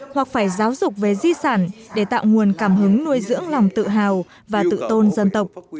hoặc phải giáo dục về di sản để tạo nguồn cảm hứng nuôi dưỡng lòng tự hào và tự tôn dân tộc